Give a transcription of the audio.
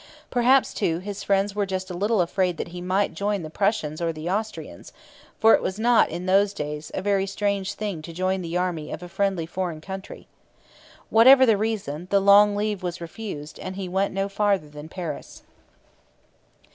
Perhaps, too, his friends were just a little afraid that he might join the Prussians or the Austrians; for it was not, in those days, a very strange thing to join the army of a friendly foreign country. Whatever the reason, the long leave was refused and he went no farther than Paris.